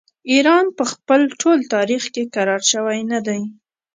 ایران په خپل ټول تاریخ کې کرار شوی نه دی.